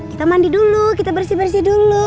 kita mandi dulu kita bersih bersih dulu